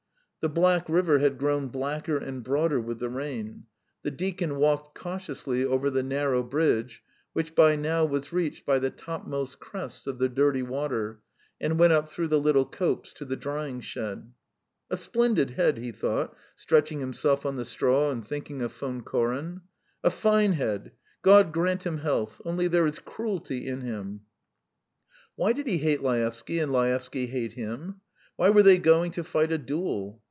The Black River had grown blacker and broader with the rain. The deacon walked cautiously over the narrow bridge, which by now was reached by the topmost crests of the dirty water, and went up through the little copse to the drying shed. "A splendid head," he thought, stretching himself on the straw, and thinking of Von Koren. "A fine head God grant him health; only there is cruelty in him. ..." Why did he hate Laevsky and Laevsky hate him? Why were they going to fight a duel?